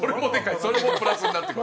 それもプラスになってくる。